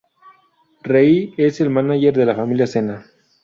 Rei es el manager de la familia Sena.